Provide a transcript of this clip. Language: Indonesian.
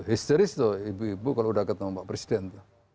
histeris tuh ibu ibu kalau udah ketemu pak presiden